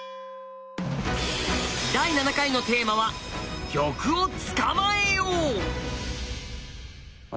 第７回のテーマは「玉をつかまえよう」。